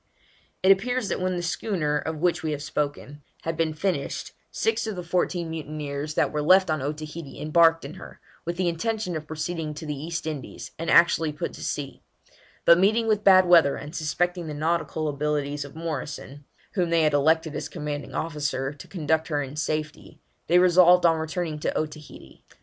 It appears that when the schooner, of which we have spoken, had been finished, six of the fourteen mutineers that were left on Otaheite embarked in her, with the intention of proceeding to the East Indies, and actually put to sea; but meeting with bad weather, and suspecting the nautical abilities of Morrison, whom they had elected as commanding officer, to conduct her in safety, they resolved on returning to Otaheite.